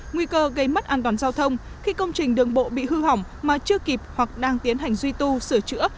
nguy cơ gây mất an toàn giao thông khi công trình đường bộ bị hư hỏng mà chưa kịp hoặc đang tiến hành duy tu sửa chữa